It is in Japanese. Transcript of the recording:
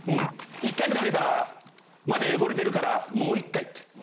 １回目かけたら「まだ汚れてるからもう１回」って。